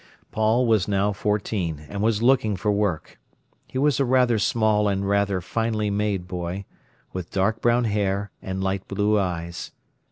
Paul was now fourteen, and was looking for work. He was a rather small and rather finely made boy, with dark brown hair and light blue eyes.